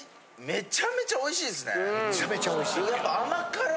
めちゃめちゃおいしいね。